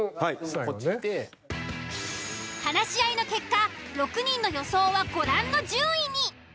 話し合いの結果６人の予想はご覧の順位に。